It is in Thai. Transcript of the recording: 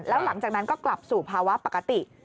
แล้วหลังจากนั้นก็กลับสู่ภาวะปกติ